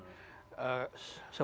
tapi itu juga harus dikawal